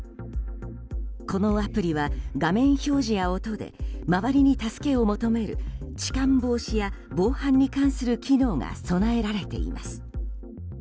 このアプリは、画面表示や音で周りに助けを求める痴漢防止や防犯に関する機能が備えられています。